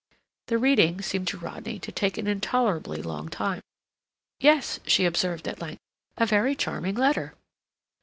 The reading seemed to Rodney to take an intolerably long time. "Yes," she observed at length, "a very charming letter."